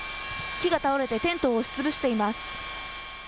木が倒れてテントを押しつぶしています。